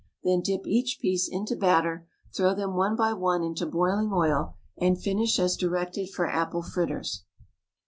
Then dip each piece into batter, throw them one by one into boiling oil, and finish as directed for apple fritters.